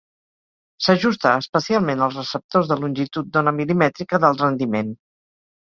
S'ajusta especialment als receptors de longitud d'ona mil·limètrica d'alt rendiment.